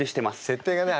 設定がね